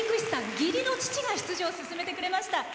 義理の父が出場を勧めてくれました。